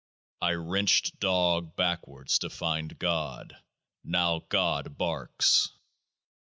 I wrenched DOG backwards to find GOD ; now GOD barks.